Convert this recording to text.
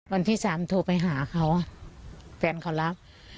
วันที่สามโทรไปหาเขาแฟนเขารับ